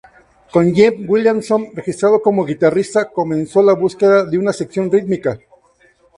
Con James Williamson registrado como guitarrista, comenzó la búsqueda de una sección rítmica.